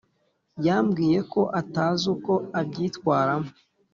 yambwiye ko atazi uko abyitwaramo